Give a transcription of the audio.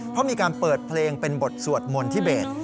เพราะมีการเปิดเพลงเป็นบทสวดมนต์ทิเบส